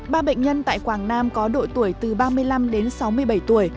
ba bệnh nhân tại quảng nam có độ tuổi từ ba mươi năm đến sáu mươi bảy tuổi